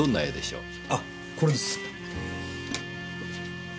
あっこれです。